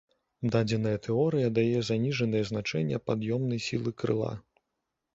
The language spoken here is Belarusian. Дадзеная тэорыя дае заніжанае значэнне пад'ёмнай сілы крыла.